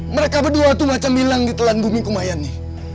mereka berdua itu macam bilang di telan bumi kumayan ini